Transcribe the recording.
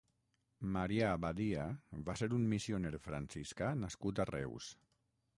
Marià Badia va ser un missioner franciscà nascut a Reus.